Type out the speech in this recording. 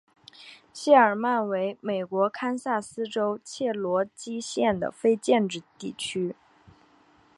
谢尔曼为美国堪萨斯州切罗基县的非建制地区。